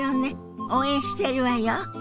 応援してるわよ。